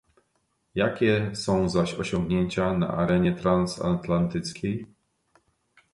Jakie są zaś osiągnięcia na arenie transatlantyckiej?